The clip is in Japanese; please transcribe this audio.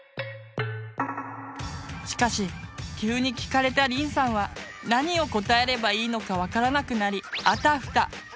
しかし急に聞かれたりんさんは何を答えればいいのか分からなくなりあたふた。